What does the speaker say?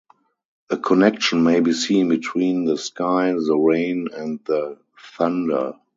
A connection may be seen between the sky, the rain, and the thunder.